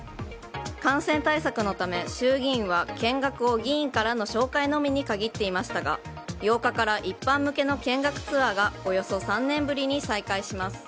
感染対策のため、衆議院は見学を議員からの紹介のみに限っていましたが８日から一般向けの見学ツアーがおよそ３年ぶりに再開します。